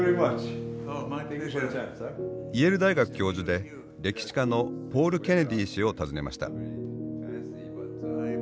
イェール大学教授で歴史家のポール・ケネディ氏を訪ねました。